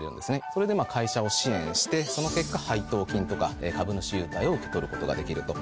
それで会社を支援してその結果配当金とか株主優待を受け取ることができると。